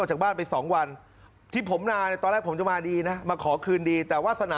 จับตัวในเวียนอัดดวงเดียอายุ๔๒ปีมาสอบสวน